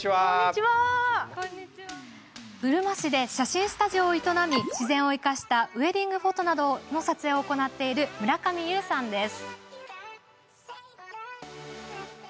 うるま市で写真スタジオを営み自然を生かしたウエディングフォトなどの撮影をしている村上佑さんです。